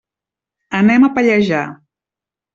Anem a Pallejà.